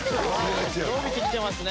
伸びてきてますね